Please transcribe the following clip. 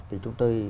thì chúng tôi